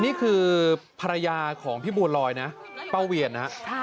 นี่คือภรรยาของพี่บัวลอยนะป้าเวียนนะครับ